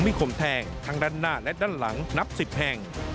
มีขมแทงทั้งด้านหน้าและด้านหลังนับ๑๐แห่ง